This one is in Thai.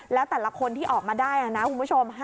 แล้วแต่ละคนที่ออกมาได้นะคุณผู้ชม